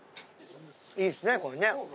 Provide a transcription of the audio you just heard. いいですねこれね。